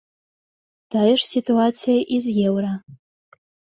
Тая ж сітуацыя і з еўра.